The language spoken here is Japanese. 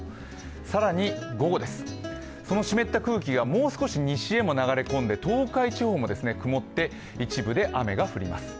更に午後です、その湿った空気がもう少し西へも流れ込んで東海地方も曇って一部で雨が降ります。